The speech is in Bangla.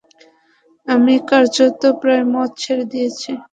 আমি কার্যত প্রায় মদ ছেড়ে দিয়েছি।